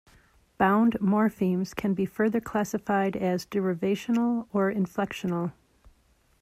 Bound morphemes can be further classified as derivational or inflectional.